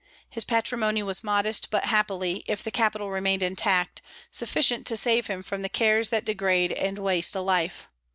His patrimony was modest, but happily, if the capital remained intact, sufficient to save him from the cares that degrade and waste a life.